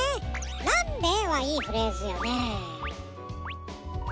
「なんで？」はいいフレーズよね。